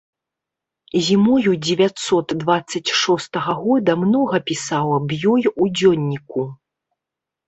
Зімою дзевяцьсот дваццаць шостага года многа пісаў аб ёй у дзённіку.